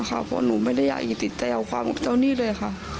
เพราะหนูไม่ได้อยากติดใจเอาความกับเจ้าหนี้ด้วยค่ะ